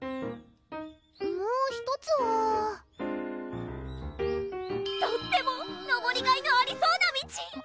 もう１つはとっても登りがいのありそうな道！